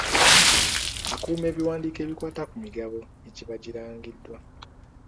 Akuuma ebiwandiko ebikwata ku migabo egiba girangiddwa.